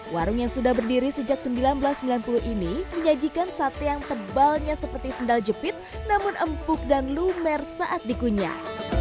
warung yang sudah berdiri sejak seribu sembilan ratus sembilan puluh ini menyajikan sate yang tebalnya seperti sendal jepit namun empuk dan lumer saat dikunyah